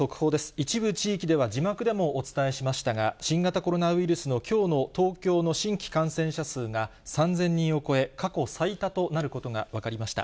一部地域では字幕でもお伝えしましたが、新型コロナウイルスのきょうの東京の新規感染者数が、３０００人を超え、過去最多となることが分かりました。